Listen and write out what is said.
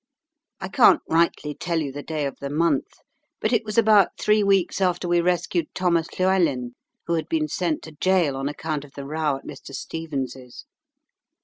I can't rightly tell you the day of the month, but it was about three reeks after we rescued Thomas Llewellin, who had been sent to gaol on account of the row at Mr. Stephens's.